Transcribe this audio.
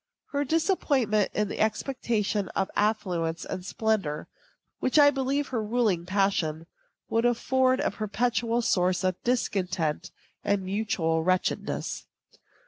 Her disappointment in the expectation of affluence and splendor, which I believe her ruling passion, would afford a perpetual source of discontent and mutual wretchedness.